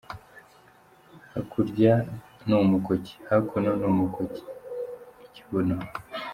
Hakurya ni umukoki, hakuno ni umukoki:iKibuno.